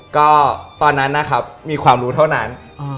ก็ตอนนั้นนะครับมีความรู้เท่านั้น